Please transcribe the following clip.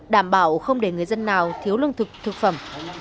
đảm bảo không để người dân nào thiếu lương thực thực phẩm